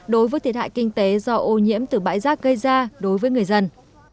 đối với thiệt hại kinh tế do ô nhiễm từ bãi rác gây ra đối với người dân